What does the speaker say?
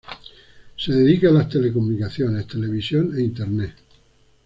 Se dedica a las telecomunicaciones, televisión e internet.